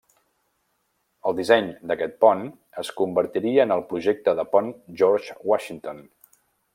El disseny d'aquest pont es convertiria en el projecte del Pont George Washington.